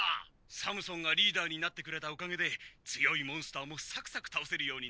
・サムソンがリーダーになってくれたおかげで強いモンスターもサクサクたおせるようになりましたね。